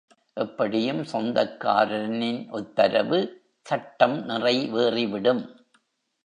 எப்படியும் சொந்தக்காரனின் உத்தரவு சட்டம் நிறை வேறிவிடும்.